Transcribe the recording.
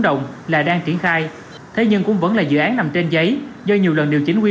động là đang triển khai thế nhưng cũng vẫn là dự án nằm trên giấy do nhiều lần điều chỉnh quy